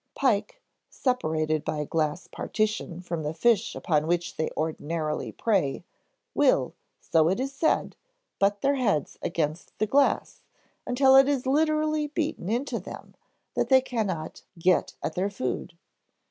Pike, separated by a glass partition from the fish upon which they ordinarily prey, will so it is said butt their heads against the glass until it is literally beaten into them that they cannot get at their food.